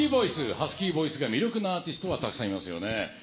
ハスキーボイスが魅力なアーティストはたくさんいますよね。